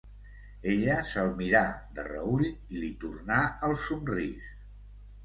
Ella se'l mirà de reüll i li tornà el somrís.